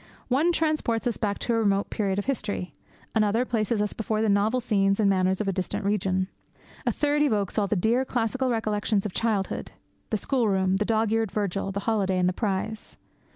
One transports us back to a remote period of history. Another places us among the novel scenes and manners of a distant region. A third evokes all the dear, classical recollections of childhood the schoolroom, the dog eared Virgil, the holiday, and the prize.